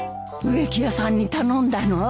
植木屋さんに頼んだの？